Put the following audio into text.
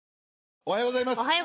おはようございます。